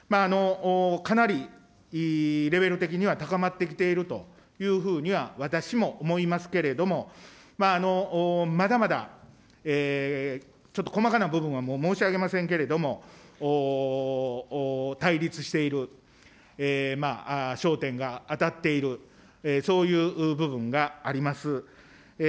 かなりレベル的には高まってきているというふうには私も思いますけれども、まだまだちょっと細かな部分は申し上げませんけれども、対立している焦点が当たっている、そういう部分があります。